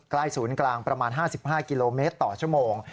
ศูนย์กลางประมาณ๕๕กิโลเมตรต่อชั่วโมง